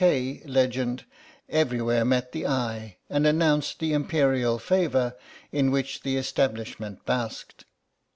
K." legend, everywhere met the eye and announced the imperial favour in which the establishment basked.